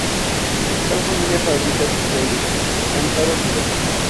Cada familia fabricaba sus ollas, cántaros y vasijas.